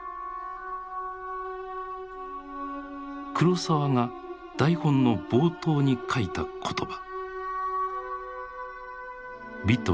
黒澤が台本の冒頭に書いた言葉。